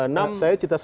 saya cita soal pembukakan